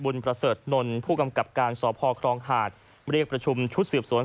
ประเสริฐนนท์ผู้กำกับการสพครองหาดเรียกประชุมชุดสืบสวน